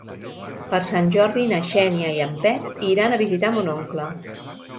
Per Sant Jordi na Xènia i en Pep iran a visitar mon oncle.